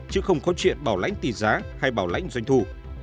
chứ không có chuyện bảo lãnh tỷ giá hay bảo lãnh doanh thu